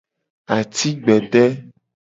Ati gbede.